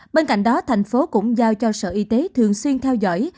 bên cạnh đó thành phố cũng giao cho sở y tế thường xuyên theo dõi